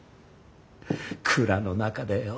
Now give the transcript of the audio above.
蔵の中でよ